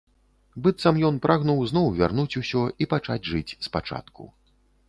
Быццам ён прагнуў зноў вярнуць усё і пачаць жыць спачатку.